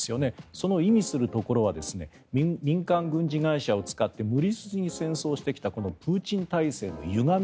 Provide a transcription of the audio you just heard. その意味するところは民間軍事会社を使って無理筋に戦争してきたこのプーチン体制のゆがみ